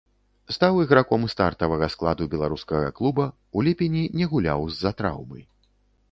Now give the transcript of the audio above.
Стаў іграком стартавага складу беларускага клуба, у ліпені не гуляў з-за траўмы.